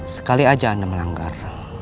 sekali aja anda melanggar